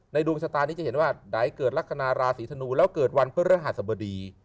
ดวงชะตานี้จะเห็นว่าไหนเกิดลักษณะราศีธนูแล้วเกิดวันพฤหัสบดี